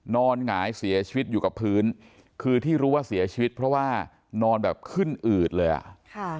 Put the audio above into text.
หงายเสียชีวิตอยู่กับพื้นคือที่รู้ว่าเสียชีวิตเพราะว่านอนแบบขึ้นอืดเลยอ่ะค่ะ